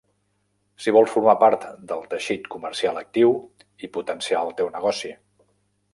Si vols formar part del teixit comercial actiu, i potenciar el teu negoci.